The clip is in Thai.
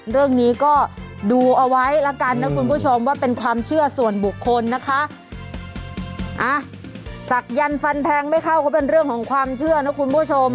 เรื่องนี้ก็ดูเอาไว้แล้วกันนะคุณผู้ชมว่าเป็นความเชื่อส่วนบุคคลนะคะอ่ะศักยันต์ฟันแทงไม่เข้าก็เป็นเรื่องของความเชื่อนะคุณผู้ชม